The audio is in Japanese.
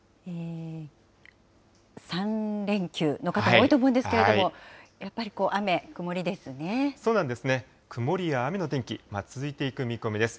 ３連休の方も多いと思うんですけれども、やっぱり雨、曇りでそうなんですね、曇りや雨の天気が続いていく見込みです。